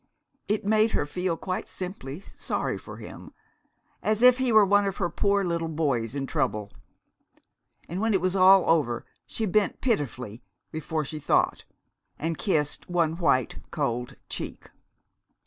It made her feel quite simply sorry for him, as if he were one of her poor little boys in trouble. And when it was all over she bent pitifully before she thought, and kissed one white, cold cheek.